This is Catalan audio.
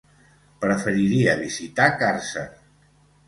Preferiria visitar Càrcer.